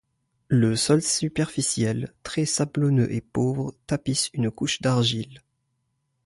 Le sol superficiel, très sablonneux et pauvre, tapisse une couche d’argile.